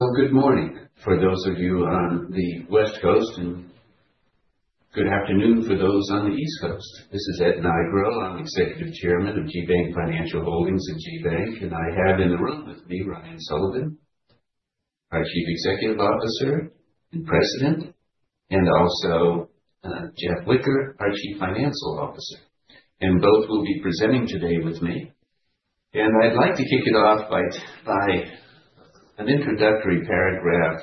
Good morning for those of you on the West Coast, and good afternoon for those on the East Coast. This is Ed Nigro. I'm Executive Chairman of GBank Financial Holdings at GBank, and I have in the room with me Ryan Sullivan, our Chief Executive Officer and President, and also Jeff Whicker, our Chief Financial Officer. And both will be presenting today with me. And I'd like to kick it off by an introductory paragraph,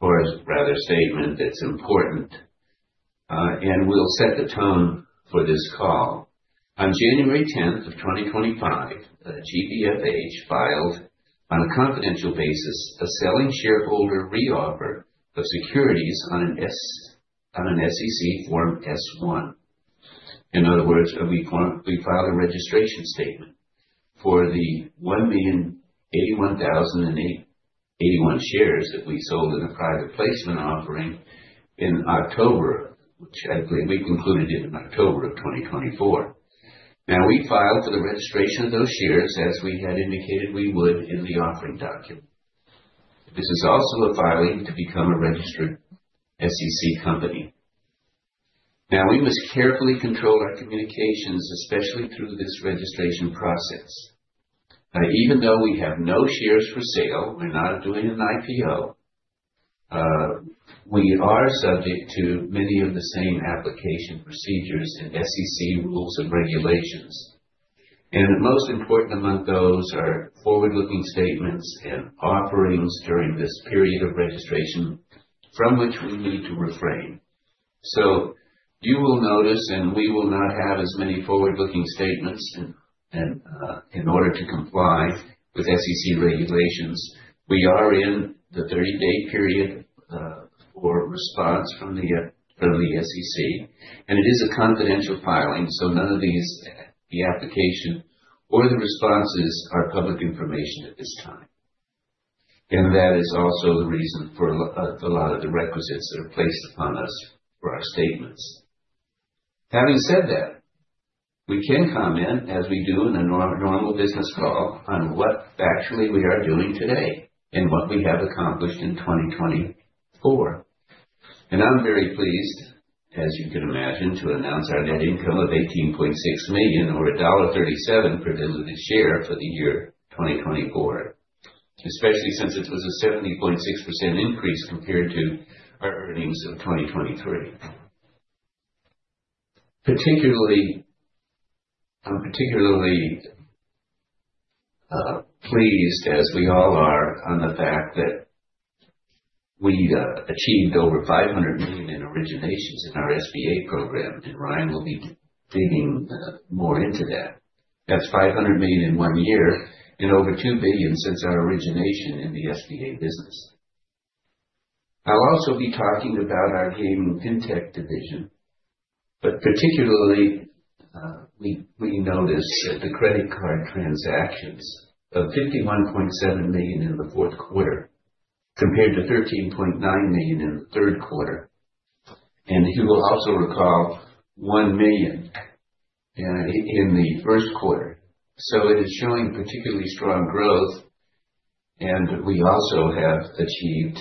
or rather statement, that's important, and will set the tone for this call. On January 10th of 2025, GBFH filed on a confidential basis a selling shareholder reoffer of securities on an SEC Form S-1. In other words, we filed a registration statement for the 1,081,081 shares that we sold in a private placement offering in October, which I believe we concluded in October of 2024. Now, we filed for the registration of those shares, as we had indicated we would in the offering document. This is also a filing to become a registered SEC company. Now, we must carefully control our communications, especially through this registration process. Even though we have no shares for sale, we're not doing an IPO, we are subject to many of the same application procedures and SEC rules and regulations. And most important among those are forward-looking statements and offerings during this period of registration from which we need to refrain. So you will notice, and we will not have as many forward-looking statements in order to comply with SEC regulations. We are in the 30-day period for response from the SEC, and it is a confidential filing, so none of the application or the responses are public information at this time. That is also the reason for a lot of the requisites that are placed upon us for our statements. Having said that, we can comment, as we do in a normal business call, on what factually we are doing today and what we have accomplished in 2024. I'm very pleased, as you can imagine, to announce our net income of $18.6 million or $1.37 per diluted share for the year 2024, especially since it was a 70.6% increase compared to our earnings of 2023. I'm particularly pleased, as we all are, on the fact that we achieved over $500 million in originations in our SBA program, and Ryan will be digging more into that. That's $500 million in one year and over $2 billion since our origination in the SBA business. I'll also be talking about our gaming fintech division, but particularly we noticed that the credit card transactions of $51.7 million in the fourth quarter compared to $13.9 million in the third quarter, and you will also recall $1 million in the first quarter, so it is showing particularly strong growth, and we also have achieved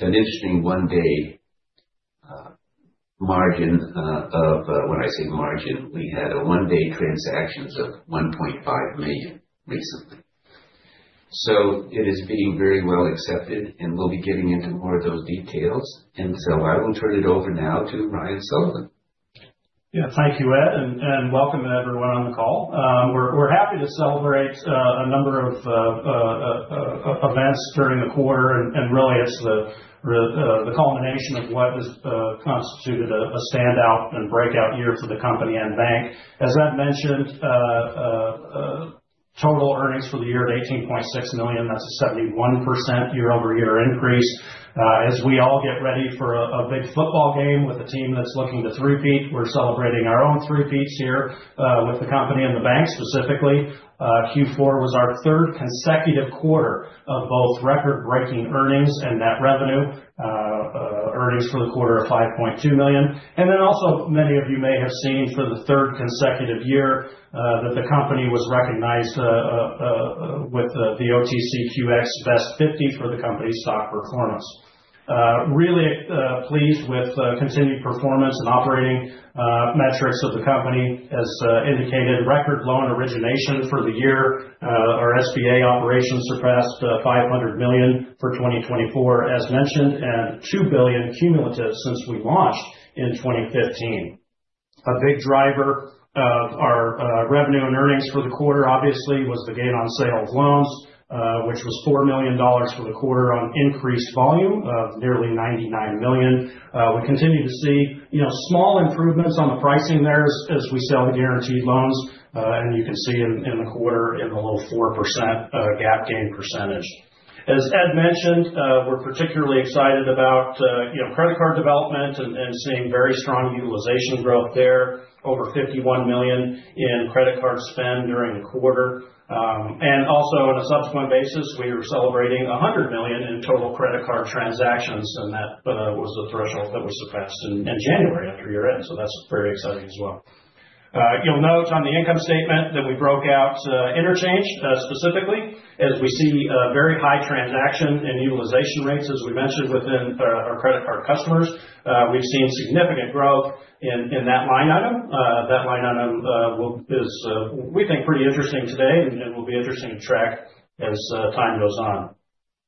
an interesting one-day margin of, when I say margin, we had one-day transactions of $1.5 million recently, so it is being very well accepted, and we'll be getting into more of those details, and so I will turn it over now to Ryan Sullivan. Yeah, thank you, Ed, and welcome everyone on the call. We're happy to celebrate a number of events during the quarter, and really it's the culmination of what has constituted a standout and breakout year for the company and bank. As Ed mentioned, total earnings for the year at $18.6 million, that's a 71% year-over-year increase. As we all get ready for a big football game with a team that's looking to three-peat, we're celebrating our own three-peats here with the company and the bank specifically. Q4 was our third consecutive quarter of both record-breaking earnings and net revenue earnings for the quarter of $5.2 million. And then also, many of you may have seen for the third consecutive year that the company was recognized with the OTCQX Best 50 for the company's stock performance. Really pleased with continued performance and operating metrics of the company, as indicated, record low in origination for the year. Our SBA operations surpassed $500 million for 2024, as mentioned, and $2 billion cumulative since we launched in 2015. A big driver of our revenue and earnings for the quarter, obviously, was the gain on sale of loans, which was $4 million for the quarter on increased volume of nearly $99 million. We continue to see small improvements on the pricing there as we sell the guaranteed loans, and you can see in the quarter in the low 4% gain percentage. As Ed mentioned, we're particularly excited about credit card development and seeing very strong utilization growth there, over $51 million in credit card spend during the quarter. And also, on a subsequent basis, we were celebrating $100 million in total credit card transactions, and that was the threshold that was surpassed in January after year-end. So that's very exciting as well. You'll note on the income statement that we broke out interchange specifically, as we see very high transaction and utilization rates, as we mentioned, within our credit card customers. We've seen significant growth in that line item. That line item is, we think, pretty interesting today and will be interesting to track as time goes on.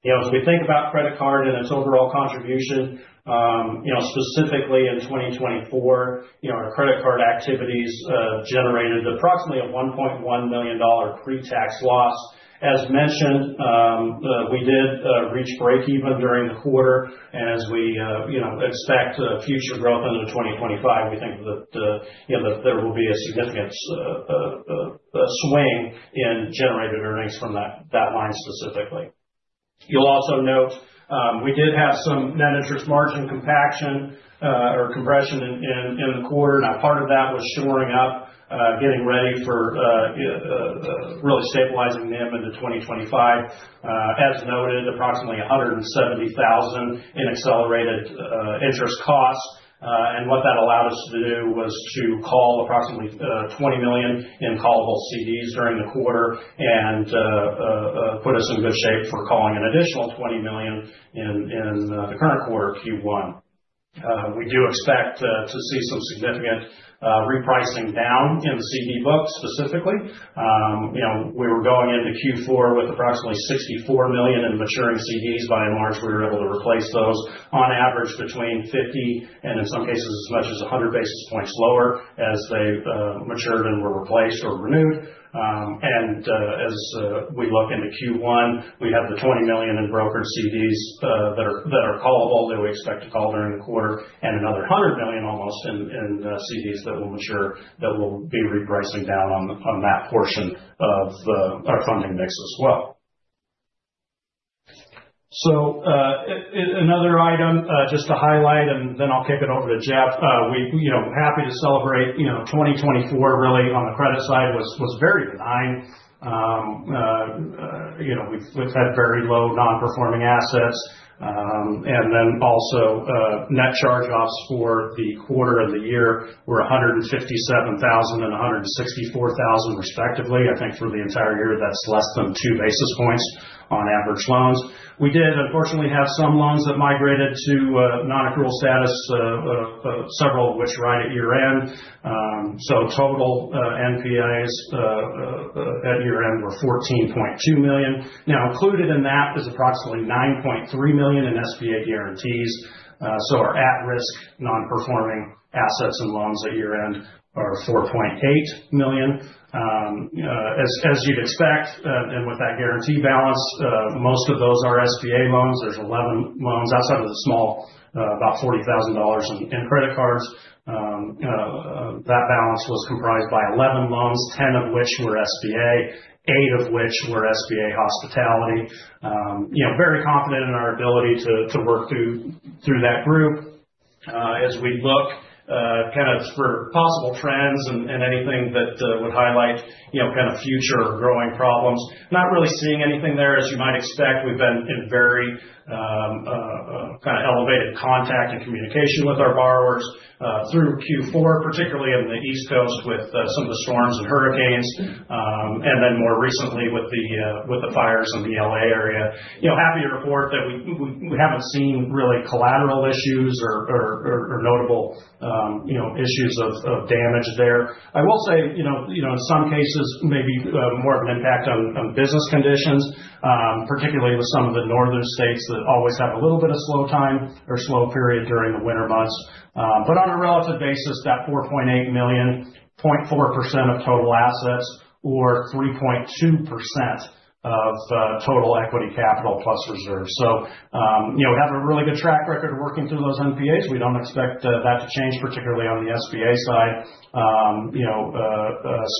As we think about credit card and its overall contribution, specifically in 2024, our credit card activities generated approximately a $1.1 million pre-tax loss. As mentioned, we did reach break-even during the quarter, and as we expect future growth into 2025, we think that there will be a significant swing in generated earnings from that line specifically. You'll also note we did have some net interest margin compaction or compression in the quarter. Now, part of that was shoring up, getting ready for really stabilizing them into 2025. As noted, approximately $170,000 in accelerated interest costs. What that allowed us to do was to call approximately $20 million in callable CDs during the quarter and put us in good shape for calling an additional $20 million in the current quarter, Q1. We do expect to see some significant repricing down in the CD books specifically. We were going into Q4 with approximately $64 million in maturing CDs. By and large, we were able to replace those on average between 50 and, in some cases, as much as 100 basis points lower as they matured and were replaced or renewed. As we look into Q1, we have $20 million in brokered CDs that are callable that we expect to call during the quarter and another almost $100 million in CDs that will mature that will be repricing down on that portion of our funding mix as well. Another item just to highlight, and then I'll kick it over to Jeff. We're happy to celebrate 2024. Really, on the credit side was very benign. We've had very low non-performing assets. And then also, net charge-offs for the quarter and the year were $157,000 and $164,000 respectively. I think for the entire year, that's less than two basis points on average loans. We did, unfortunately, have some loans that migrated to non-accrual status, several of which right at year-end. Total NPAs at year-end were $14.2 million. Now, included in that is approximately $9.3 million in SBA guarantees. Our at-risk non-performing assets and loans at year-end are $4.8 million. As you'd expect, and with that guarantee balance, most of those are SBA loans. There's 11 loans outside of the small, about $40,000 in credit cards. That balance was comprised by 11 loans, 10 of which were SBA, 8 of which were SBA hospitality. Very confident in our ability to work through that group. As we look kind of for possible trends and anything that would highlight kind of future growing problems, not really seeing anything there, as you might expect. We've been in very kind of elevated contact and communication with our borrowers through Q4, particularly in the East Coast with some of the storms and hurricanes, and then more recently with the fires in the LA area. Happy to report that we haven't seen really collateral issues or notable issues of damage there. I will say, in some cases, maybe more of an impact on business conditions, particularly with some of the northern states that always have a little bit of slow time or slow period during the winter months. But on a relative basis, that $4.8 million, 0.4% of total assets or 3.2% of total equity capital plus reserves. So we have a really good track record working through those NPAs. We don't expect that to change, particularly on the SBA side,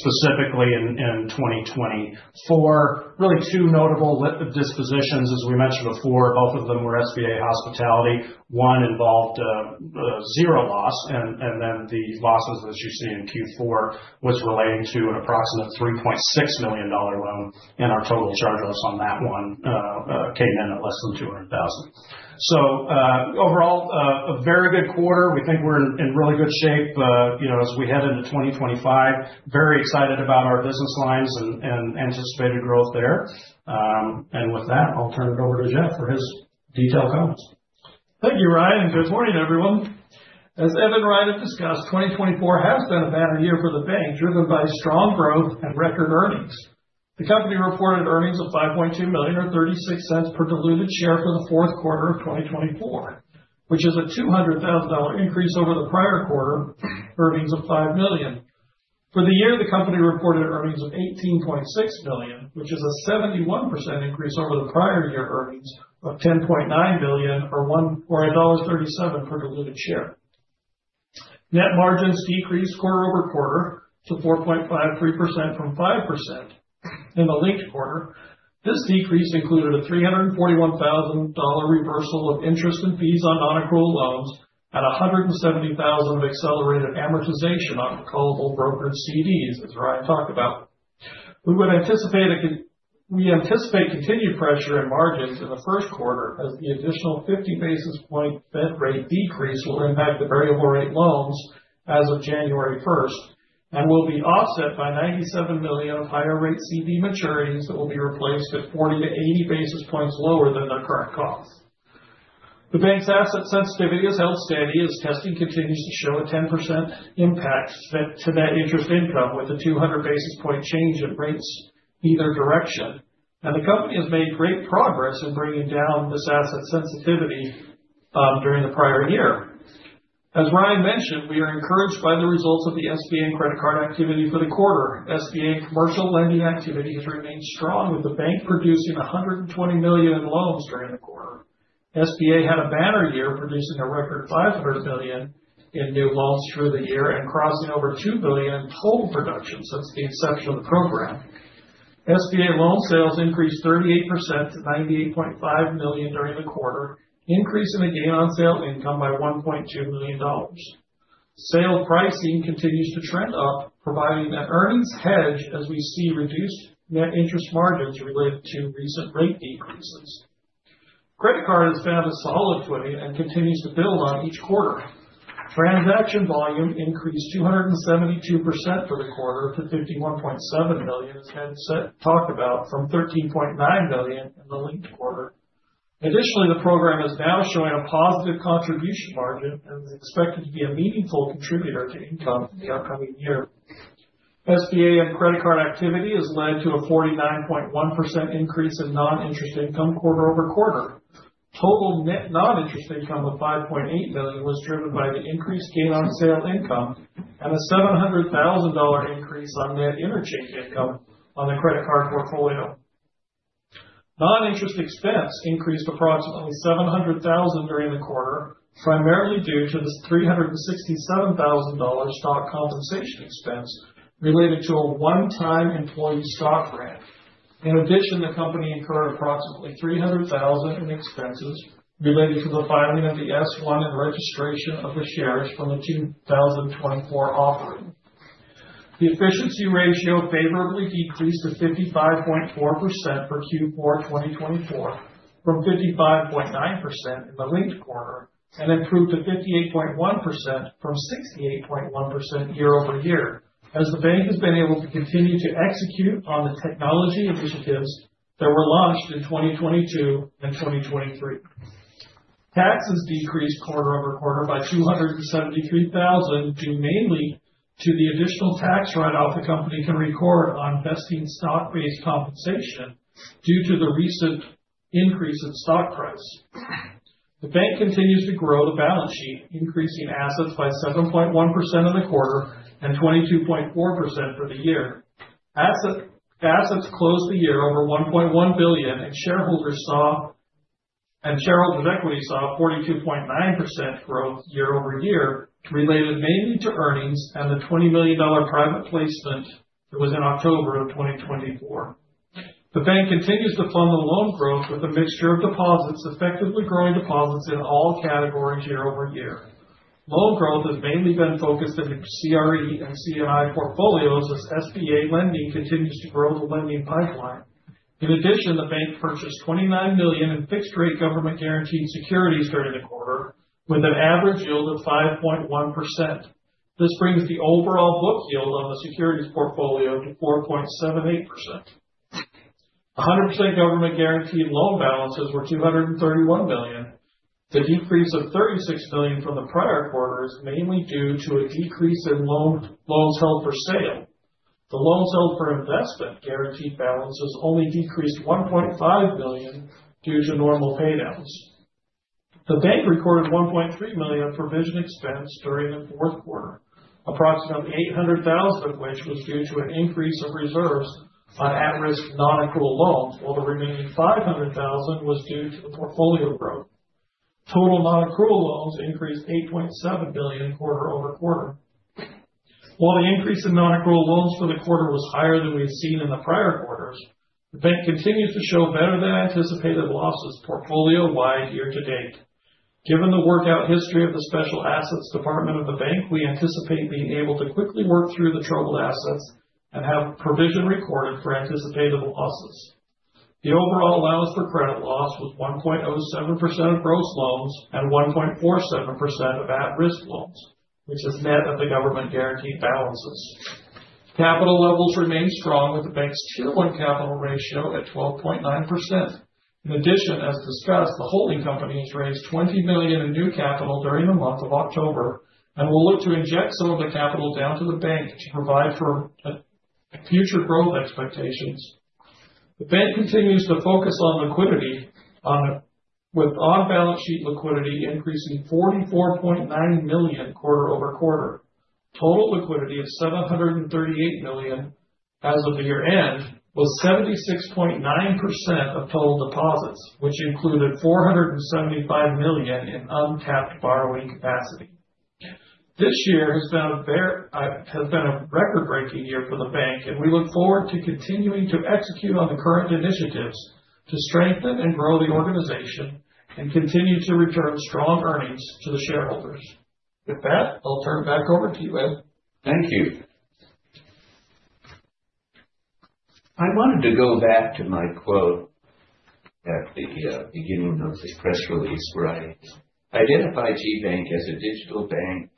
specifically in 2024. Really two notable dispositions, as we mentioned before, both of them were SBA hospitality. One involved zero loss, and then the losses that you see in Q4 was relating to an approximate $3.6 million loan, and our total charge-offs on that one came in at less than $200,000. So overall, a very good quarter. We think we're in really good shape as we head into 2025. Very excited about our business lines and anticipated growth there, and with that, I'll turn it over to Jeff for his detailed comments. Thank you, Ryan. Good morning, everyone. As Ed and Ryan had discussed, 2024 has been a better year for the bank, driven by strong growth and record earnings. The company reported earnings of $5.2 million or $0.36 per diluted share for the fourth quarter of 2024, which is a $200,000 increase over the prior quarter, earnings of $5 million. For the year, the company reported earnings of $18.6 million, which is a 71% increase over the prior year earnings of $10.9 million or $1.37 per diluted share. Net margins decreased quarter-over-quarter to 4.53% from 5% in the linked quarter. This decrease included a $341,000 reversal of interest and fees on non-accrual loans and $170,000 of accelerated amortization on callable brokered CDs, as Ryan talked about. We anticipate continued pressure in margins in the first quarter as the additional 50 basis points Fed rate decrease will impact the variable rate loans as of January 1st and will be offset by $97 million of higher rate CD maturities that will be replaced at 40-80 basis points lower than their current costs. The bank's asset sensitivity has held steady as testing continues to show a 10% impact to net interest income with a 200 basis points change in rates either direction, and the company has made great progress in bringing down this asset sensitivity during the prior year. As Ryan mentioned, we are encouraged by the results of the SBA and credit card activity for the quarter. SBA and commercial lending activity has remained strong, with the bank producing $120 million in loans during the quarter. SBA had a banner year producing a record $500 million in new loans through the year and crossing over $2 billion in total production since the inception of the program. SBA loan sales increased 38% to $98.5 million during the quarter, increasing the gain on sale income by $1.2 million. Sale pricing continues to trend up, providing an earnings hedge as we see reduced net interest margins related to recent rate decreases. Credit card has found a solid footing and continues to build on each quarter. Transaction volume increased 272% for the quarter to $51.7 million, as Ed talked about, from $13.9 million in the linked quarter. Additionally, the program is now showing a positive contribution margin and is expected to be a meaningful contributor to income in the upcoming year. SBA and credit card activity has led to a 49.1% increase in non-interest income quarter-over-quarter. Total net non-interest income of $5.8 million was driven by the increased gain on sale income and a $700,000 increase on net interchange income on the credit card portfolio. Non-interest expense increased approximately $700,000 during the quarter, primarily due to the $367,000 stock compensation expense related to a one-time employee stock grant. In addition, the company incurred approximately $300,000 in expenses related to the filing of the S-1 and registration of the shares from the 2024 offering. The efficiency ratio favorably decreased to 55.4% for Q4 2024 from 55.9% in the linked quarter and improved to 58.1% from 68.1% year-over-year as the bank has been able to continue to execute on the technology initiatives that were launched in 2022 and 2023. Taxes decreased quarter-over-quarter by $273,000 due mainly to the additional tax write-off the company can record on vesting stock-based compensation due to the recent increase in stock price. The bank continues to grow the balance sheet, increasing assets by 7.1% in the quarter and 22.4% for the year. Assets closed the year over $1.1 billion, and shareholders saw, and shareholders' equity saw 42.9% growth year-over-year related mainly to earnings and the $20 million private placement that was in October of 2024. The bank continues to fund the loan growth with a mixture of deposits, effectively growing deposits in all categories year-over-year. Loan growth has mainly been focused in the CRE and C&I portfolios as SBA lending continues to grow the lending pipeline. In addition, the bank purchased $29 million in fixed-rate government-guaranteed securities during the quarter with an average yield of 5.1%. This brings the overall book yield on the securities portfolio to 4.78%. 100% government-guaranteed loan balances were $231 million. The decrease of $36 million from the prior quarter is mainly due to a decrease in loans held for sale. The loans held for investment guaranteed balances only decreased $1.5 million due to normal paydowns. The bank recorded $1.3 million of provision expense during the fourth quarter, approximately $800,000 of which was due to an increase of reserves on at-risk non-accrual loans, while the remaining $500,000 was due to the portfolio growth. Total non-accrual loans increased $8.7 million quarter-over-quarter. While the increase in non-accrual loans for the quarter was higher than we had seen in the prior quarters, the bank continues to show better-than-anticipated losses portfolio-wide year to date. Given the workout history of the Special Assets Department of the bank, we anticipate being able to quickly work through the troubled assets and have provision recorded for anticipated losses. The overall allowance for credit loss was 1.07% of gross loans and 1.47% of at-risk loans, which is net of the government-guaranteed balances. Capital levels remain strong with the bank's Tier 1 capital ratio at 12.9%. In addition, as discussed, the holding company has raised $20 million in new capital during the month of October and will look to inject some of the capital down to the bank to provide for future growth expectations. The bank continues to focus on liquidity, with on-balance sheet liquidity increasing $44.9 million quarter-over-quarter. Total liquidity of $738 million as of the year-end was 76.9% of total deposits, which included $475 million in untapped borrowing capacity. This year has been a record-breaking year for the bank, and we look forward to continuing to execute on the current initiatives to strengthen and grow the organization and continue to return strong earnings to the shareholders. With that, I'll turn it back over to you, Ed. Thank you. I wanted to go back to my quote at the beginning of the press release where I identified GBank as a digital bank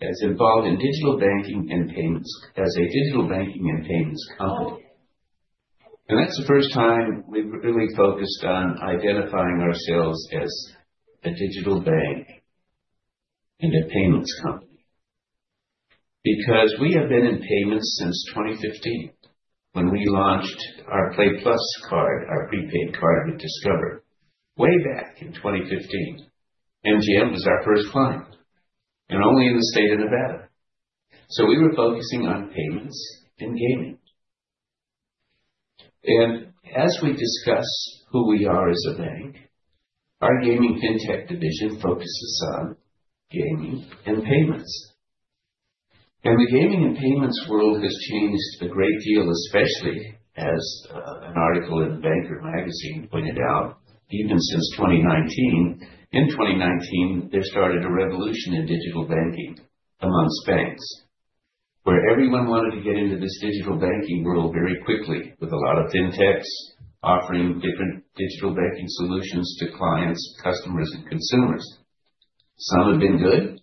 that is involved in digital banking and payments as a digital banking and payments company, and that's the first time we've really focused on identifying ourselves as a digital bank and a payments company because we have been in payments since 2015 when we launched our Play+ card, our prepaid card with Discover, way back in 2015. MGM was our first client, and only in the state of Nevada, so we were focusing on payments and gaming, and as we discuss who we are as a bank, our gaming fintech division focuses on gaming and payments, and the gaming and payments world has changed a great deal, especially as an article in the Banker magazine pointed out, even since 2019. In 2019, there started a revolution in digital banking amongst banks where everyone wanted to get into this digital banking world very quickly with a lot of fintechs offering different digital banking solutions to clients, customers, and consumers. Some have been good,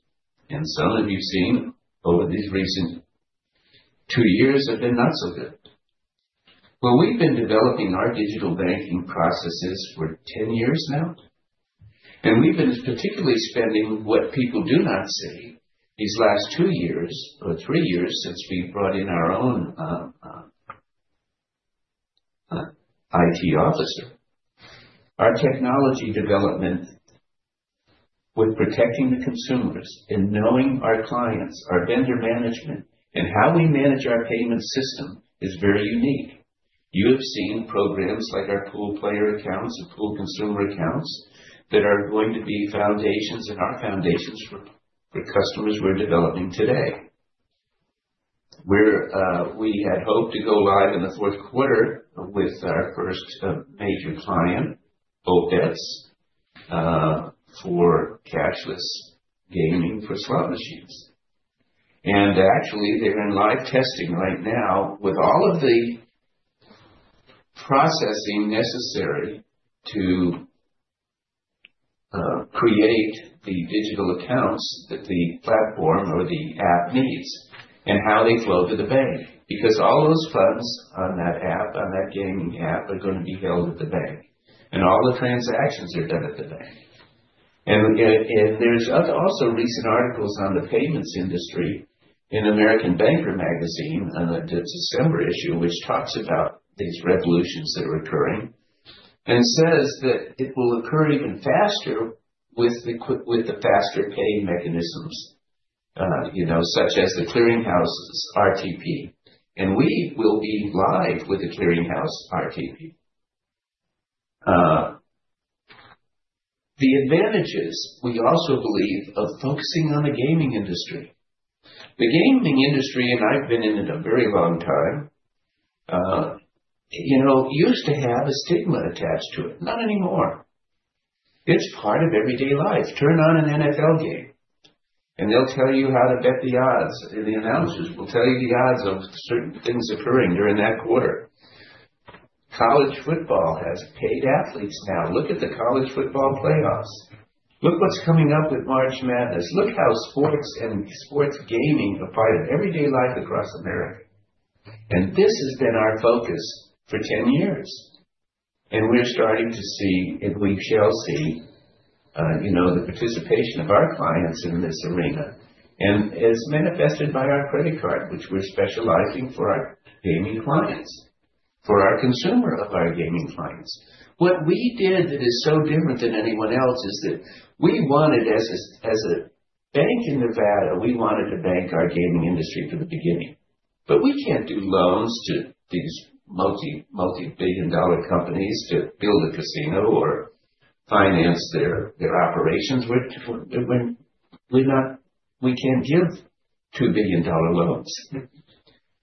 and some you've seen over these recent two years have been not so good. Well, we've been developing our digital banking processes for 10 years now, and we've been particularly spending what people do not see these last two years or three years since we brought in our own IT officer. Our technology development with protecting the consumers and knowing our clients, our vendor management, and how we manage our payment system is very unique. You have seen programs like our Play+ player accounts and Play+ consumer accounts that are going to be foundations and our foundations for customers we're developing today. We had hoped to go live in the fourth quarter with our first major client, OPETS, for cashless gaming for slot machines. Actually, they're in live testing right now with all of the processing necessary to create the digital accounts that the platform or the app needs and how they flow to the bank because all those funds on that app, on that gaming app, are going to be held at the bank, and all the transactions are done at the bank. There's also recent articles on the payments industry in American Banker magazine on the December issue, which talks about these revolutions that are occurring and says that it will occur even faster with the faster pay mechanisms such as the Clearing House RTP. We will be live with the Clearing House RTP. The advantages, we also believe, of focusing on the gaming industry. The gaming industry, and I've been in it a very long time, used to have a stigma attached to it. Not anymore. It's part of everyday life. Turn on an NFL game, and they'll tell you how to bet the odds. The analysis will tell you the odds of certain things occurring during that quarter. College football has paid athletes now. Look at the college football playoffs. Look what's coming up with March Madness. Look how sports and sports gaming are part of everyday life across America. And this has been our focus for 10 years. And we're starting to see, and we shall see, the participation of our clients in this arena and as manifested by our credit card, which we're specializing for our gaming clients, for our consumer of our gaming clients. What we did that is so different than anyone else is that we wanted, as a bank in Nevada, we wanted to bank our gaming industry from the beginning. But we can't do loans to these multi-billion dollar companies to build a casino or finance their operations. We can't give $2 billion loans.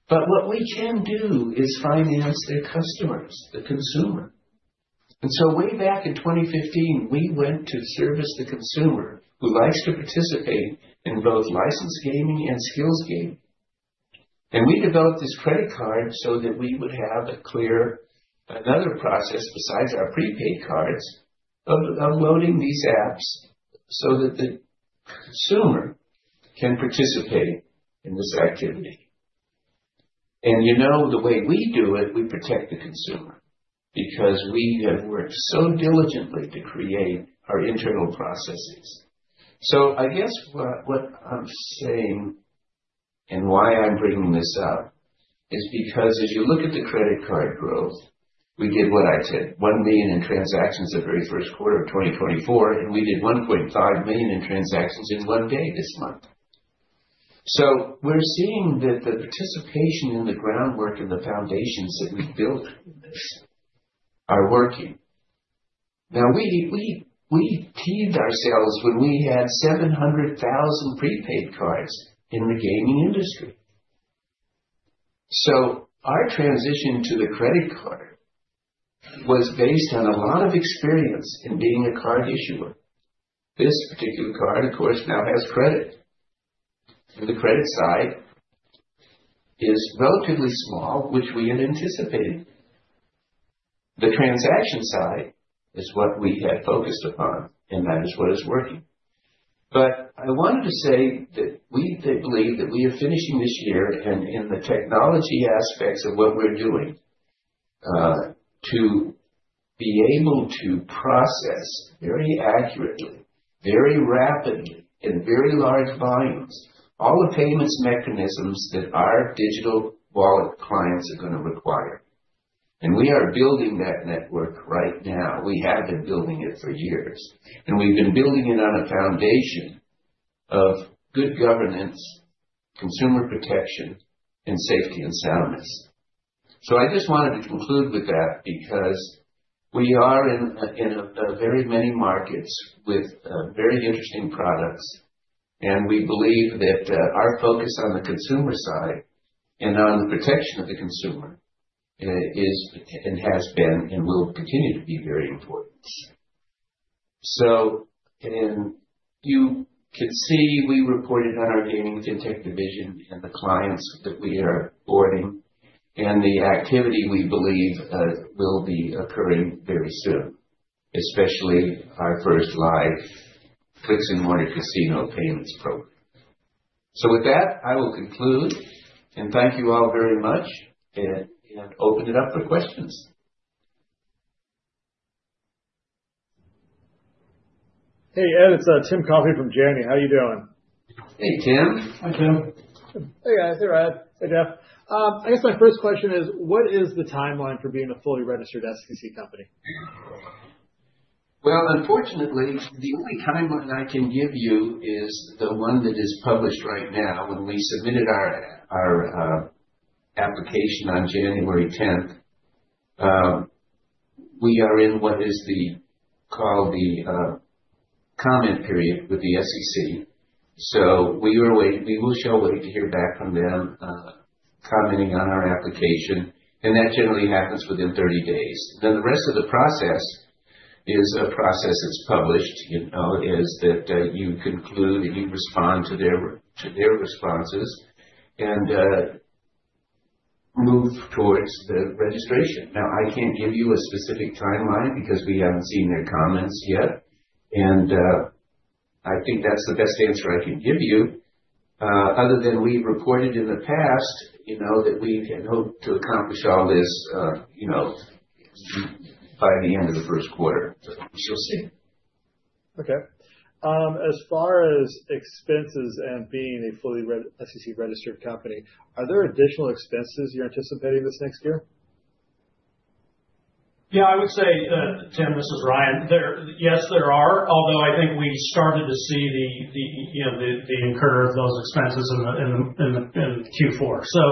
But what we can do is finance their customers, the consumer. And so way back in 2015, we went to service the consumer who likes to participate in both licensed gaming and skills gaming. And we developed this credit card so that we would have a clear another process besides our prepaid cards of uploading these apps so that the consumer can participate in this activity. And the way we do it, we protect the consumer because we have worked so diligently to create our internal processes. I guess what I'm saying and why I'm bringing this up is because as you look at the credit card growth, we did what I said, one million in transactions the very first quarter of 2024, and we did 1.5 million in transactions in one day this month. We're seeing that the participation in the groundwork and the foundations that we've built are working. Now, we proved ourselves when we had 700,000 prepaid cards in the gaming industry. Our transition to the credit card was based on a lot of experience in being a card issuer. This particular card, of course, now has credit. The credit side is relatively small, which we had anticipated. The transaction side is what we had focused upon, and that is what is working. But I wanted to say that we believe that we are finishing this year and in the technology aspects of what we're doing to be able to process very accurately, very rapidly, and very large volumes all the payments mechanisms that our digital wallet clients are going to require. And we are building that network right now. We have been building it for years. And we've been building it on a foundation of good governance, consumer protection, and safety and soundness. So I just wanted to conclude with that because we are in very many markets with very interesting products, and we believe that our focus on the consumer side and on the protection of the consumer is and has been and will continue to be very important. You can see we reported on our gaming fintech division and the clients that we are boarding and the activity we believe will be occurring very soon, especially our first live Play+ WarHorse Casino payments program. With that, I will conclude, and thank you all very much, and open it up for questions. Hey, Ed, it's Tim Coffey from Janney. How are you doing? Hey, Tim. Hi, Tim. Hey, guys. Hey, Ryan? Hey, Jeff. I guess my first question is, what is the timeline for being a fully registered SEC company? Unfortunately, the only timeline I can give you is the one that is published right now. When we submitted our application on January 10th, we are in what is called the comment period with the SEC. So we will now wait to hear back from them commenting on our application. And that generally happens within 30 days. Then the rest of the process is a process that's published, is that you conclude and you respond to their responses and move towards the registration. Now, I can't give you a specific timeline because we haven't seen their comments yet. And I think that's the best answer I can give you. Other than we reported in the past that we had hoped to accomplish all this by the end of the first quarter. We shall see. Okay. As far as expenses and being a fully SEC-registered company, are there additional expenses you're anticipating this next year? Yeah, I would say, Tim, this is Ryan. Yes, there are, although I think we started to see the incurrence of those expenses in Q4. So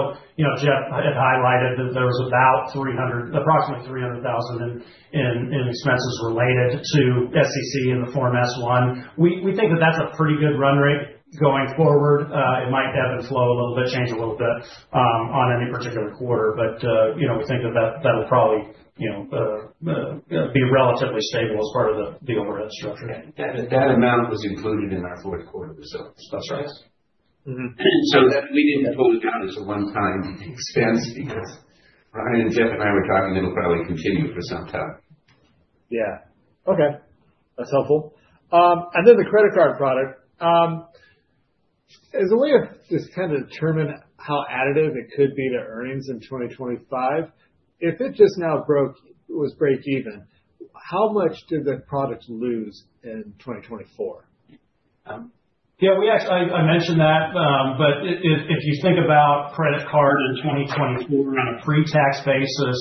Jeff had highlighted that there was about approximately $300,000 in expenses related to SEC in the Form S-1. We think that that's a pretty good run rate going forward. It might ebb and flow a little bit, change a little bit on any particular quarter. But we think that that'll probably be relatively stable as part of the overhead structure. That amount was included in our fourth quarter results. That's right. So we didn't pull it down as a one-time expense because Ryan and Jeff and I were talking it'll probably continue for some time. Yeah. Okay. That's helpful. And then the credit card product. As a way of just kind of determining how additive it could be to earnings in 2025, if it just now was break-even, how much did the product lose in 2024? Yeah, I mentioned that, but if you think about credit card in 2024 on a pre-tax basis,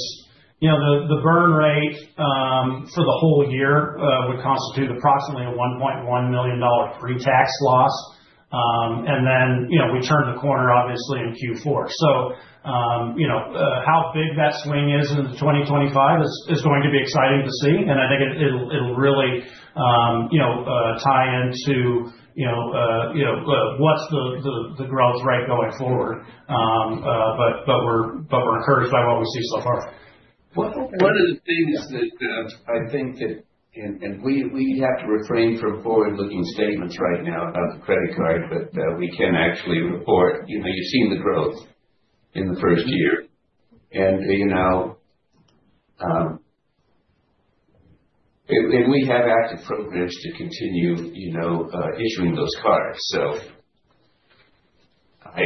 the burn rate for the whole year would constitute approximately a $1.1 million pre-tax loss, and then we turned the corner, obviously, in Q4, so how big that swing is in 2025 is going to be exciting to see, and I think it'll really tie into what's the growth rate going forward, but we're encouraged by what we see so far. One of the things that I think that we have to refrain from forward-looking statements right now about the credit card, but we can actually report. You've seen the growth in the first year, and we have active programs to continue issuing those cards, so I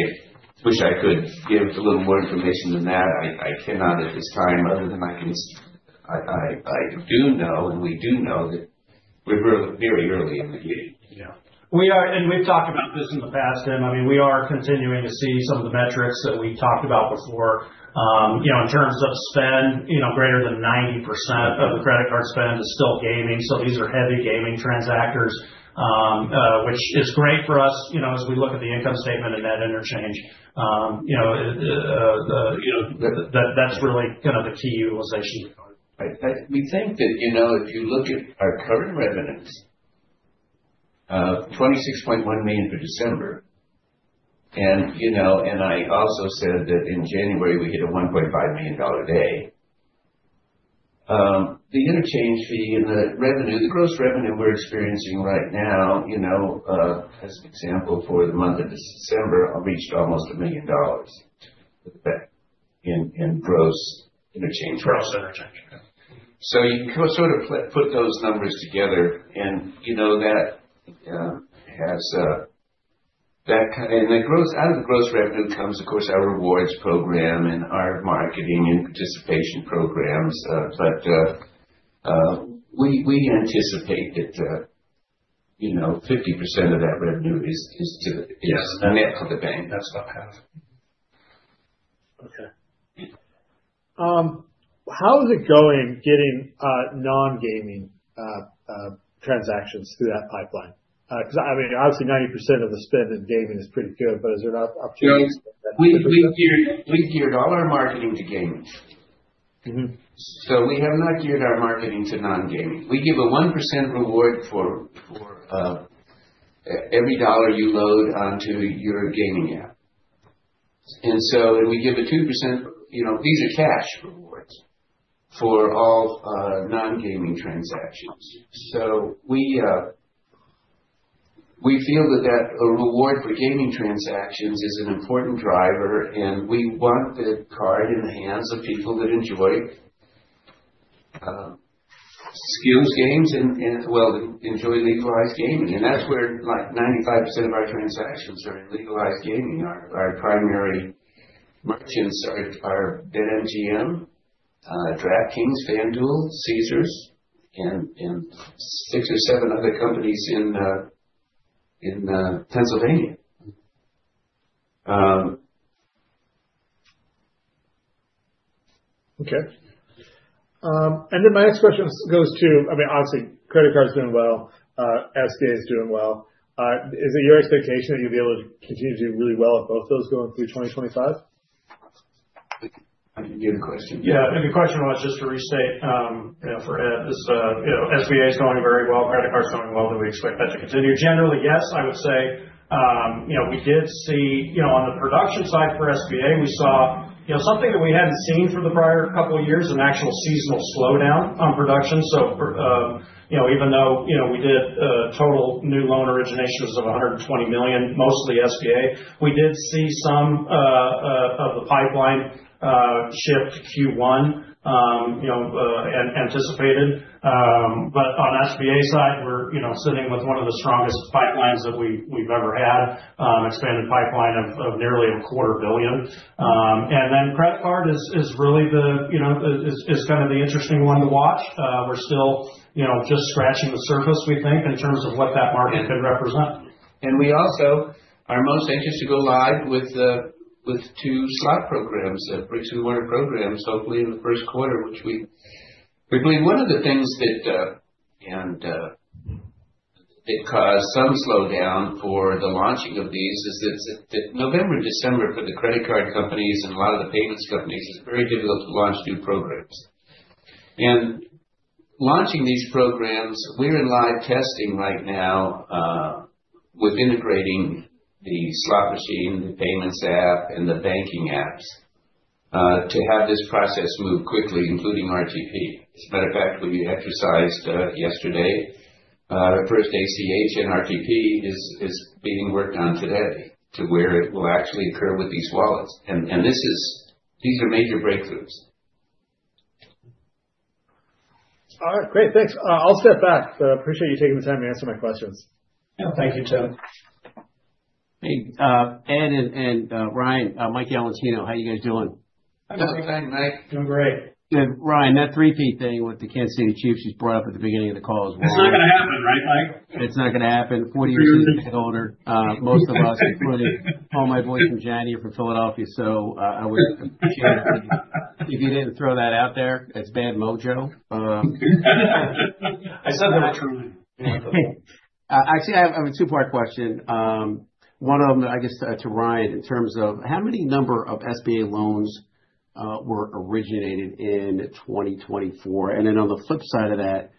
wish I could give a little more information than that. I cannot at this time, other than I do know, and we do know that we're very early in the game. Yeah. And we've talked about this in the past, Tim. I mean, we are continuing to see some of the metrics that we talked about before. In terms of spend, greater than 90% of the credit card spend is still gaming. So these are heavy gaming transactors, which is great for us as we look at the income statement and net interchange. That's really kind of the key utilization. We think that if you look at our current revenues, $26.1 million for December, and I also said that in January, we hit $1.5 million a day. The interchange fee and the revenue, the gross revenue we're experiencing right now, as an example for the month of December, reached almost $1 million in gross interchange rate. Gross interchange. So you can sort of put those numbers together, and that has that kind of and out of the gross revenue comes, of course, our rewards program and our marketing and participation programs. But we anticipate that 50% of that revenue is to the net for the bank. That's about half. Okay. How is it going getting non-gaming transactions through that pipeline? Because, I mean, obviously, 90% of the spend in gaming is pretty good, but is there an opportunity? We geared all our marketing to gaming, so we have not geared our marketing to non-gaming. We give a 1% reward for every $1 you load onto your gaming app, and we give a 2% Visa Cash Rewards for all non-gaming transactions. So we feel that that reward for gaming transactions is an important driver, and we want the card in the hands of people that enjoy skill games and, well, enjoy legalized gaming. And that's where 95% of our transactions are in legalized gaming. Our primary merchants are BetMGM, DraftKings, FanDuel, Caesars, and six or seven other companies in Pennsylvania. Okay. And then my next question goes to, I mean, obviously, credit card's doing well. SBA's doing well. Is it your expectation that you'll be able to continue to do really well if both of those go into 2025? I can give the question. Yeah. Maybe the question was just to restate for Ed, is SBA's going very well, credit card's going well. Do we expect that to continue? Generally, yes, I would say. We did see on the production side for SBA, we saw something that we hadn't seen for the prior couple of years, an actual seasonal slowdown on production. So even though we did total new loan origination was of $120 million, mostly SBA, we did see some of the pipeline shift to Q1 anticipated. But on SBA side, we're sitting with one of the strongest pipelines that we've ever had, expanded pipeline of nearly $250 million. Then credit card is really the kind of the interesting one to watch. We're still just scratching the surface, we think, in terms of what that market could represent. We also are most anxious to go live with two slot programs, Lincoln WarHorse programs, hopefully in the first quarter, which we believe one of the things that and it caused some slowdown for the launching of these is that November and December for the credit card companies and a lot of the payments companies is very difficult to launch new programs. Launching these programs, we're in live testing right now with integrating the slot machine, the payments app, and the banking apps to have this process move quickly, including RTP. As a matter of fact, we exercised yesterday our first ACH, and RTP is being worked on today to where it will actually occur with these wallets. These are major breakthroughs. All right. Great. Thanks. I'll step back. Appreciate you taking the time to answer my questions. Thank you, Tim. Hey, Ed and Ryan, Mike Galantino. How are you guys doing? I'm doing fine, Mike. Doing great. Ryan, that 3P thing with the Kansas City Chiefs you brought up at the beginning of the call as well. It's not going to happen, right, Mike? It's not going to happen. 40 years in the field, most of us, including all my boys from Janney from Philadelphia. So I would appreciate it if you didn't throw that out there. It's bad mojo. I said that truly. Actually, I have a two-part question. One of them, I guess, to Ryan in terms of how many number of SBA loans were originated in 2024? And then on the flip side of that,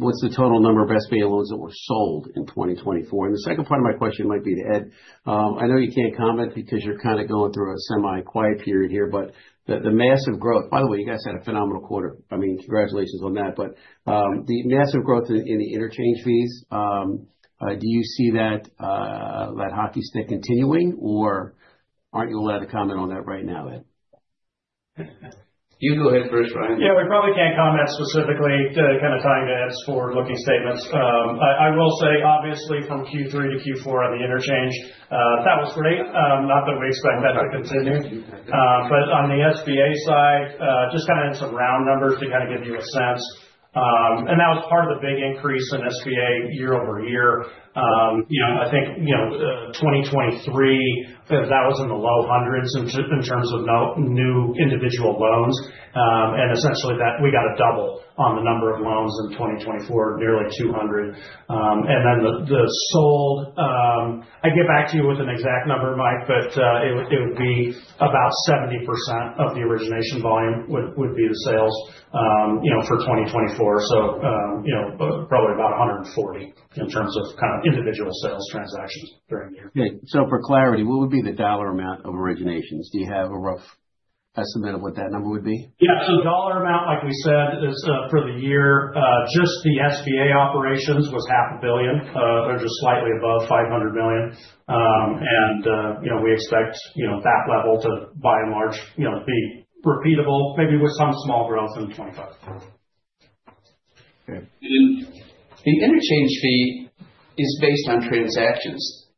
what's the total number of SBA loans that were sold in 2024? And the second part of my question might be to Ed. I know you can't comment because you're kind of going through a semi-quiet period here, but the massive growth, by the way, you guys had a phenomenal quarter. I mean, congratulations on that. But the massive growth in the interchange fees, do you see that hockey stick continuing, or aren't you allowed to comment on that right now, Ed? You go ahead first, Ryan. Yeah, we probably can't comment specifically to kind of tie into Ed's forward-looking statements. I will say, obviously, from Q3 to Q4 on the interchange, that was great. Not that we expect that to continue, but on the SBA side, just kind of in some round numbers to kind of give you a sense, and that was part of the big increase in SBA year-over-year. I think 2023, that was in the low hundreds in terms of new individual loans, and essentially, we got a double on the number of loans in 2024, nearly 200. And then the sold, I get back to you with an exact number, Mike, but it would be about 70% of the origination volume would be the sales for 2024. So probably about 140 in terms of kind of individual sales transactions during the year. So for clarity, what would be the dollar amount of originations? Do you have a rough estimate of what that number would be? Yeah. So dollar amount, like we said, is for the year, just the SBA operations was $500 million or just slightly above $500 million. And we expect that level to, by and large, be repeatable, maybe with some small growth in 2025. The interchange fee is based on transactions,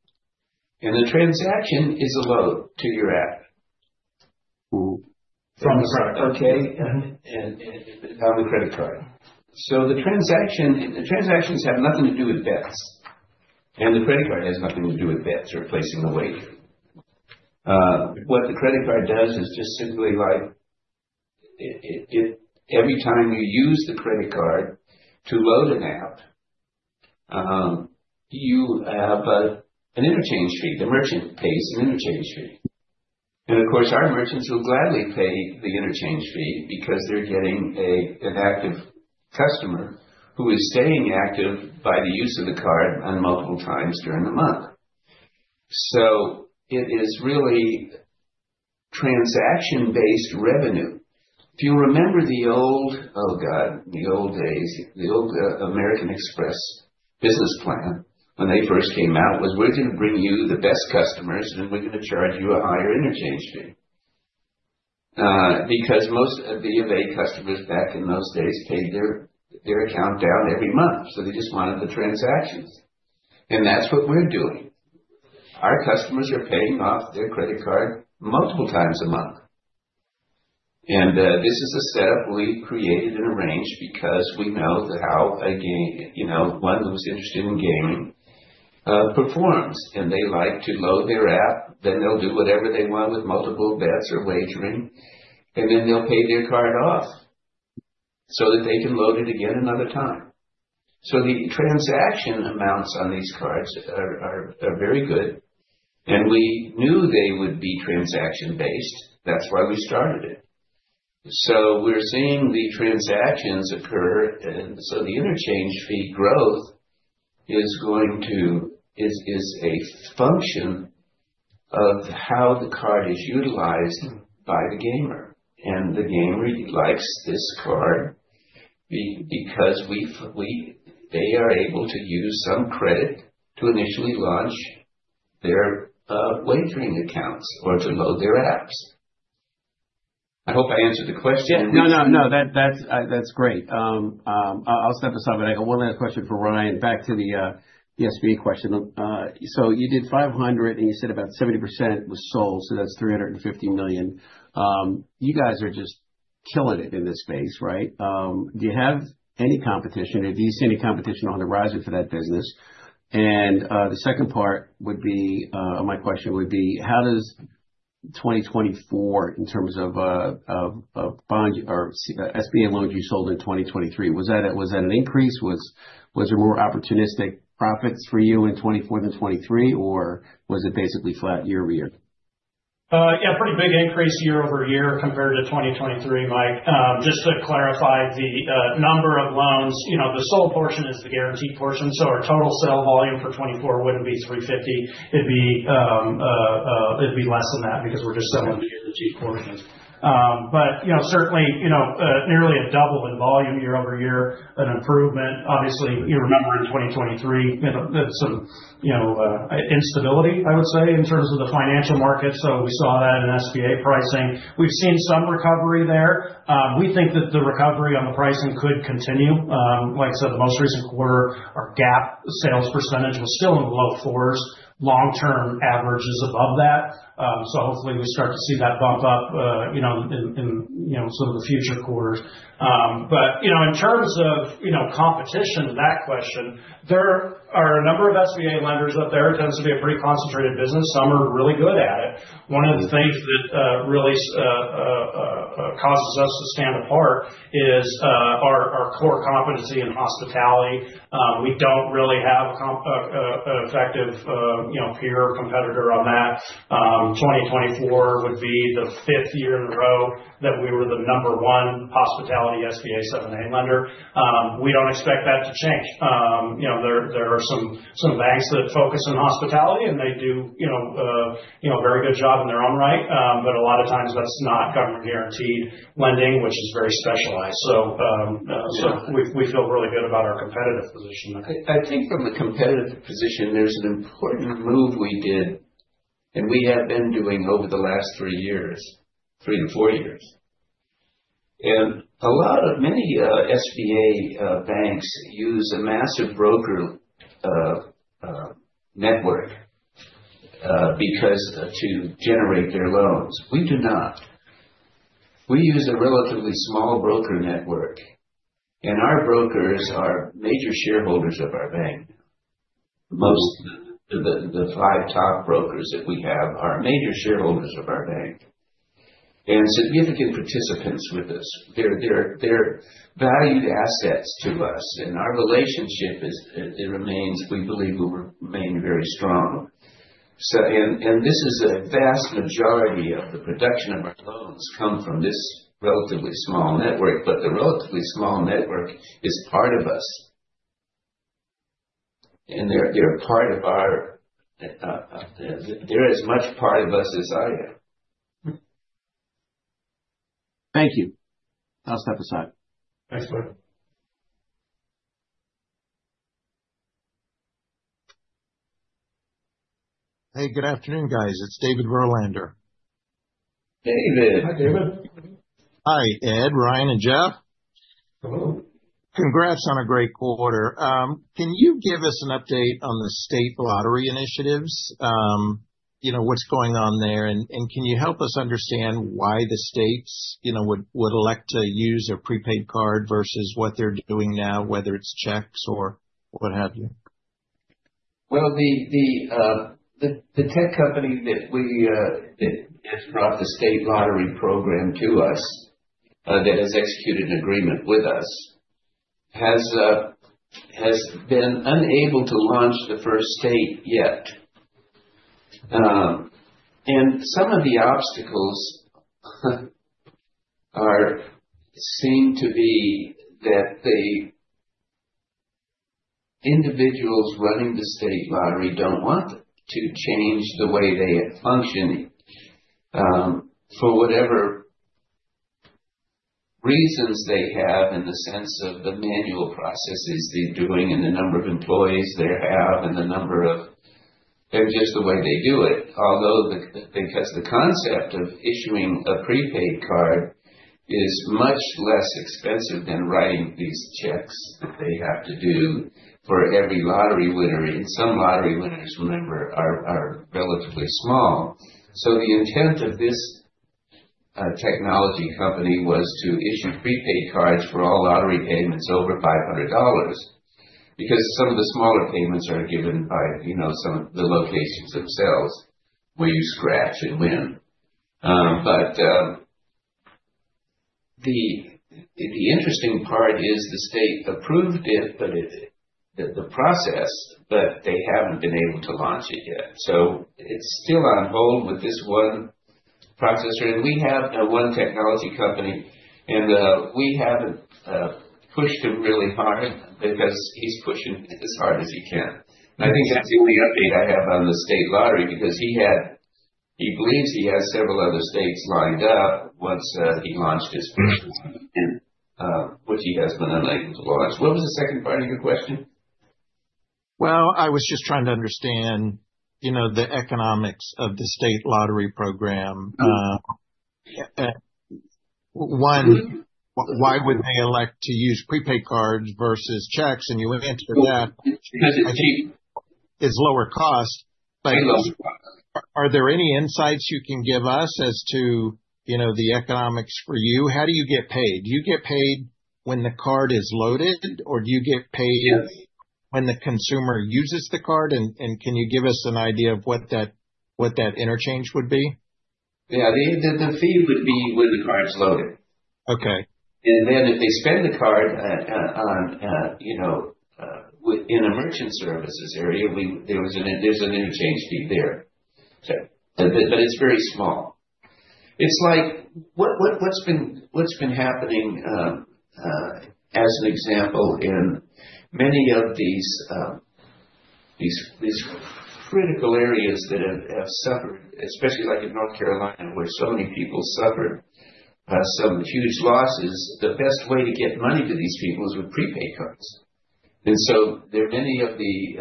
and the transaction is a load to your app from the credit card. Okay. On the credit card. The transactions have nothing to do with bets. The credit card has nothing to do with bets or placing away. What the credit card does is just simply like every time you use the credit card to load an app, you have an interchange fee. The merchant pays an interchange fee. Of course, our merchants will gladly pay the interchange fee because they're getting an active customer who is staying active by the use of the card multiple times during the month. It is really transaction-based revenue. If you remember the old, oh God, the old American Express business plan, when they first came out was, "We're going to bring you the best customers, and we're going to charge you a higher interchange fee." Because most of the A customers back in those days paid their account down every month. So they just wanted the transactions. And that's what we're doing. Our customers are paying off their credit card multiple times a month. And this is a setup we created and arranged because we know how one who's interested in gaming performs. And they like to load their app. Then they'll do whatever they want with multiple bets or wagering. And then they'll pay their card off so that they can load it again another time. So the transaction amounts on these cards are very good. And we knew they would be transaction-based. That's why we started it. So we're seeing the transactions occur. And so the interchange fee growth is going to a function of how the card is utilized by the gamer. And the gamer likes this card because they are able to use some credit to initially launch their wagering accounts or to load their apps. I hope I answered the question. No, no, no. That's great. I'll step aside. But I got one last question for Ryan. Back to the SBA question. So you did $500 million, and you said about 70% was sold. So that's $350 million. You guys are just killing it in this space, right? Do you have any competition? Or do you see any competition on the horizon for that business? And the second part would be my question would be, how does 2024 in terms of SBA loans you sold in 2023? Was that an increase? Was there more opportunistic profits for you in 2024 than 2023? Or was it basically flat year-over-year? Yeah, pretty big increase year-over-year compared to 2023, Mike. Just to clarify the number of loans, the sold portion is the guaranteed portion. So our total sale volume for 2024 wouldn't be 350. It'd be less than that because we're just selling the guaranteed portions. But certainly, nearly a double in volume year-over-year, an improvement. Obviously, you remember in 2023, there's some instability, I would say, in terms of the financial markets. So we saw that in SBA pricing. We've seen some recovery there. We think that the recovery on the pricing could continue. Like I said, the most recent quarter, our gain on sale % was still in the low fours. Long-term average is above that. So hopefully, we start to see that bump up in some of the future quarters. But in terms of competition, that question, there are a number of SBA lenders up there. It tends to be a pretty concentrated business. Some are really good at it. One of the things that really causes us to stand apart is our core competency in hospitality. We don't really have an effective peer or competitor on that. 2024 would be the fifth year in a row that we were the number one hospitality SBA 7(a) lender. We don't expect that to change. There are some banks that focus on hospitality, and they do a very good job in their own right. But a lot of times, that's not government-guaranteed lending, which is very specialized. So we feel really good about our competitive position. I think from the competitive position, there's an important move we did and we have been doing over the last three years, three to four years. And a lot of many SBA banks use a massive broker network to generate their loans. We do not. We use a relatively small broker network. And our brokers are major shareholders of our bank. Most of the five top brokers that we have are major shareholders of our bank and significant participants with us. They're valued assets to us. And our relationship, we believe, will remain very strong. And this is a vast majority of the production of our loans come from this relatively small network. But the relatively small network is part of us. And they're part of ours, they're as much part of us as I am. Thank you. I'll step aside. Thanks, bud. Hey, good afternoon, guys. It's David Verlander. David. Hi, David. Hi, Ed, Ryan, and Jeff. Congrats on a great quarter. Can you give us an update on the state lottery initiatives? What's going on there? And can you help us understand why the states would elect to use a prepaid card versus what they're doing now, whether it's checks or what have you? The tech company that brought the state lottery program to us that has executed an agreement with us has been unable to launch the first state yet. Some of the obstacles seem to be that the individuals running the state lottery don't want to change the way they are functioning for whatever reasons they have in the sense of the manual processes they're doing and the number of employees they have and the number of just the way they do it. Although because the concept of issuing a prepaid card is much less expensive than writing these checks that they have to do for every lottery winner. Some lottery winners, remember, are relatively small. So the intent of this technology company was to issue prepaid cards for all lottery payments over $500 because some of the smaller payments are given by some of the locations themselves where you scratch and win. But the interesting part is the state approved it, but the process, but they haven't been able to launch it yet. So it's still on hold with this one processor. And we have one technology company. And we haven't pushed him really hard because he's pushing as hard as he can. And I think that's the only update I have on the state lottery because he believes he has several other states lined up once he launched his first one, which he has been unable to launch. What was the second part of your question? I was just trying to understand the economics of the state lottery program. One, why would they elect to use prepaid cards versus checks? You answered that. It's cheap. It's lower cost. It's lower cost. Are there any insights you can give us as to the economics for you? How do you get paid? Do you get paid when the card is loaded, or do you get paid when the consumer uses the card? And can you give us an idea of what that interchange would be? Yeah. The fee would be when the card's loaded. Okay. And then if they spend the card in a merchant services area, there's an interchange fee there. But it's very small. It's like what's been happening, as an example, in many of these critical areas that have suffered, especially like in North Carolina, where so many people suffered some huge losses. The best way to get money to these people is with prepaid cards. And so there are many of the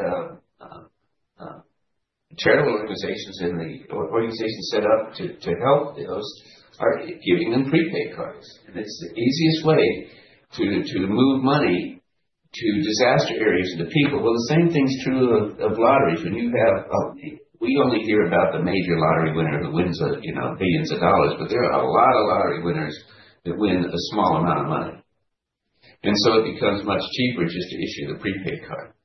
charitable organizations and the organizations set up to help those are giving them prepaid cards. And it's the easiest way to move money to disaster areas and to people. Well, the same thing's true of lotteries. We only hear about the major lottery winner who wins millions of dollars. But there are a lot of lottery winners that win a small amount of money. And so it becomes much cheaper just to issue the prepaid card.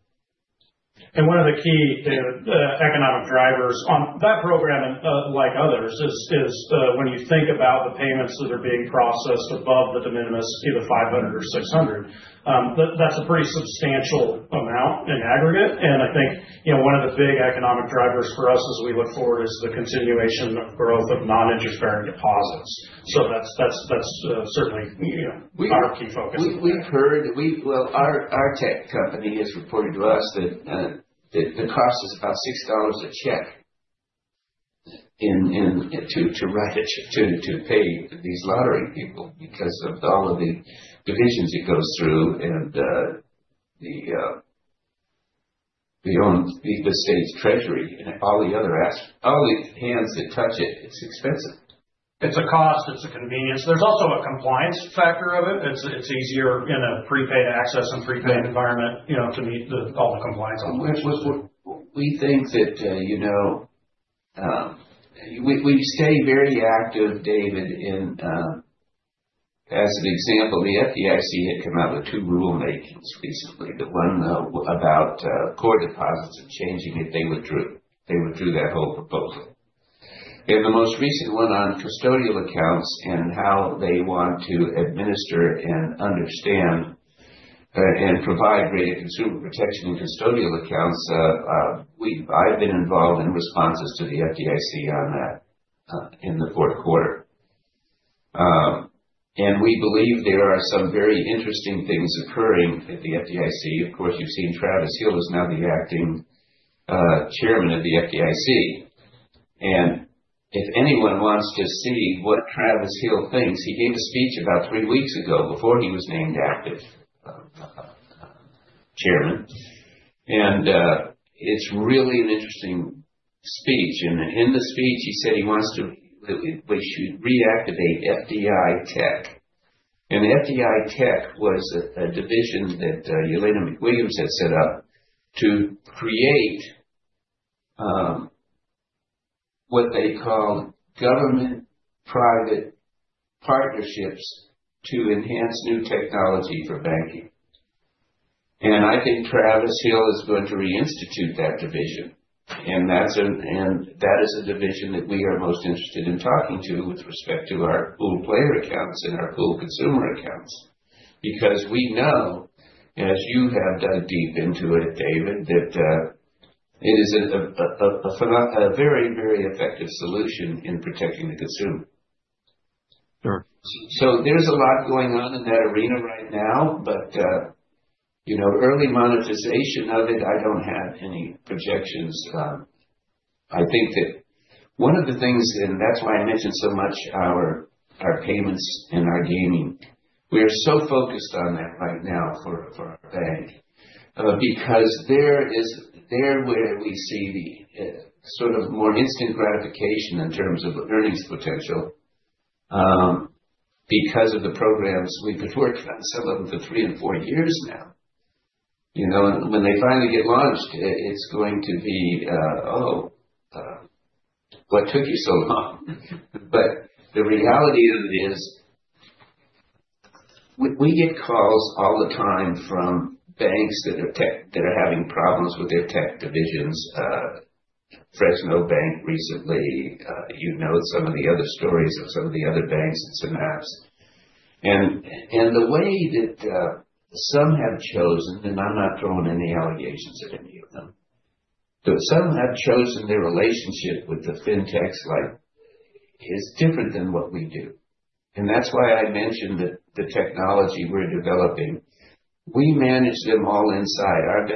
One of the key economic drivers on that program, like others, is when you think about the payments that are being processed above the de minimis, either 500 or 600. That's a pretty substantial amount in aggregate. I think one of the big economic drivers for us as we look forward is the continuation of growth of non-interest-bearing deposits. That's certainly our key focus. Our tech company has reported to us that the cost is about $6 a check to pay these lottery people because of all of the divisions it goes through and the state's treasury and all the other hands that touch it. It's expensive. It's a cost. It's a convenience. There's also a compliance factor of it. It's easier in a prepaid access and prepaid environment to meet all the compliance. We think that we stay very active, David. In as an example, the FDIC had come out with two rulemakings recently. The one about core deposits and changing it, they withdrew. They withdrew that whole proposal, and the most recent one on custodial accounts and how they want to administer and understand and provide greater consumer protection in custodial accounts. I've been involved in responses to the FDIC on that in the fourth quarter, and we believe there are some very interesting things occurring at the FDIC. Of course, you've seen Travis Hill is now the acting chairman of the FDIC, and if anyone wants to see what Travis Hill thinks, he gave a speech about three weeks ago before he was named acting chairman, and it's really an interesting speech. And in the speech, he said he wants to reactivate FDITECH. And FDITECH was a division that Jelena McWilliams had set up to create what they called government-private partnerships to enhance new technology for banking. And I think Travis Hill is going to reinstitute that division. And that is a division that we are most interested in talking to with respect to our Play+ player accounts and our Play+ consumer accounts because we know, as you have dug deep into it, David, that it is a very, very effective solution in protecting the consumer. So there's a lot going on in that arena right now. But early monetization of it, I don't have any projections. I think that one of the things (and that's why I mentioned so much our payments and our gaming) we are so focused on that right now for our bank because there, where we see the sort of more instant gratification in terms of earnings potential because of the programs. We've been working on some of them for three and four years now. And when they finally get launched, it's going to be, "Oh, what took you so long?" But the reality of it is we get calls all the time from banks that are having problems with their tech divisions. Fresno Bank recently. You know some of the other stories of some of the other banks and some apps. And the way that some have chosen (and I'm not throwing any allegations at any of them) but some have chosen their relationship with the fintechs is different than what we do. That's why I mentioned the technology we're developing. We manage them all inside.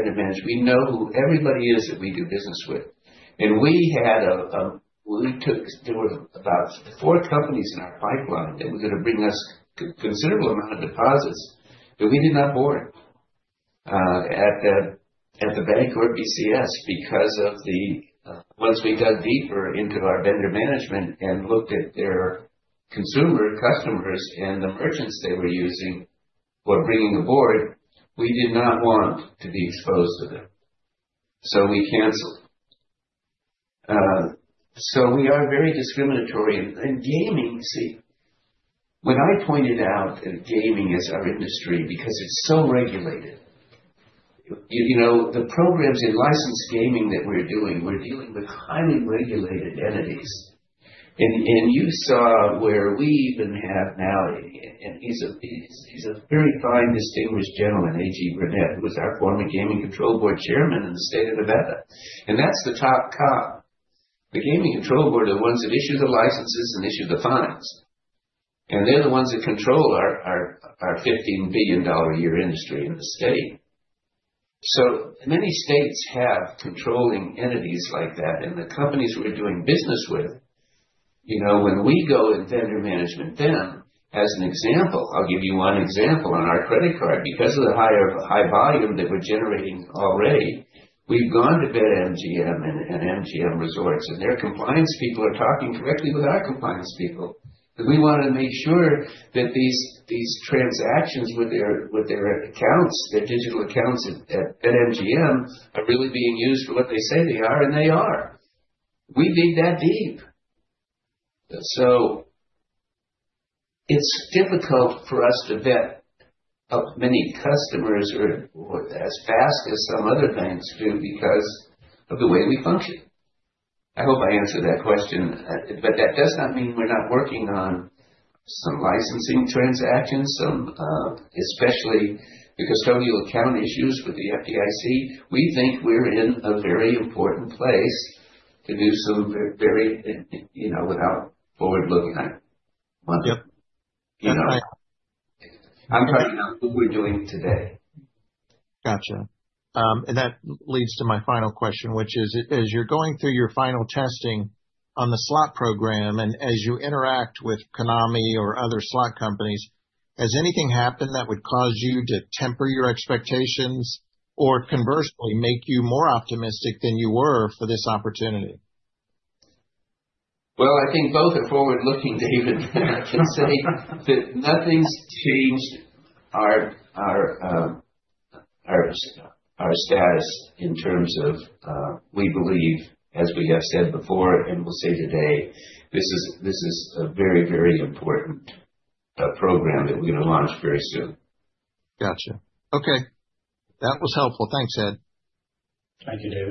We know who everybody is that we do business with. We took. There were about four companies in our pipeline that were going to bring us a considerable amount of deposits that we did not onboard at the bank or ECS because once we dug deeper into our vendor management and looked at their consumer customers and the merchants they were using for bringing aboard, we did not want to be exposed to them. So we canceled. We are very discriminatory. Gaming, see, when I pointed out gaming as our industry because it's so regulated, the programs in licensed gaming that we're doing, we're dealing with highly regulated entities. You saw where we even have now. He's a very fine distinguished gentleman, A.G. Burnett, who was our former Gaming Control Board chairman in the state of Nevada. And that's the top cop. The Gaming Control Board are the ones that issue the licenses and issue the fines. And they're the ones that control our $15 billion a year industry in the state. So many states have controlling entities like that. And the companies we're doing business with, when we go in vendor management then, as an example, I'll give you one example on our credit card. Because of the high volume that we're generating already, we've gone to BetMGM and MGM Resorts. And their compliance people are talking directly with our compliance people. And we want to make sure that these transactions with their digital accounts at BetMGM are really being used for what they say they are, and they are. We dig that deep. It's difficult for us to vet many customers as fast as some other banks do because of the way we function. I hope I answered that question. But that does not mean we're not working on some licensing transactions, especially the custodial account issues with the FDIC. We think we're in a very important place to do some very. Without forward-looking on it. Yep. That's right. I'm talking about what we're doing today. Gotcha. And that leads to my final question, which is, as you're going through your final testing on the slot program and as you interact with Konami or other slot companies, has anything happened that would cause you to temper your expectations or, conversely, make you more optimistic than you were for this opportunity? I think both are forward-looking, David. I can say that nothing's changed our status in terms of we believe, as we have said before and we'll say today, this is a very, very important program that we're going to launch very soon. Gotcha. Okay. That was helpful. Thanks, Ed. Thank you, David.